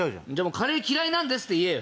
カレー嫌いなんですって言えよ。